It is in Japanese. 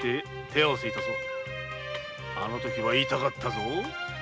あのときは痛かったぞ。